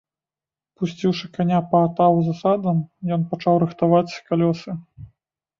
Пусціўшы каня па атаву за садам, ён пачаў рыхтаваць калёсы.